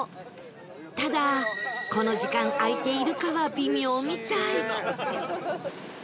ただこの時間開いているかは微妙みたい